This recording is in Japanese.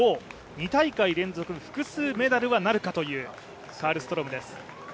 ２大会連続複数メダルはなるかというカルストロームです。